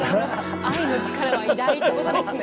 愛の力は偉大ってことですね。